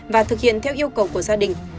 và thực hiện theo yêu cầu của gia đình em y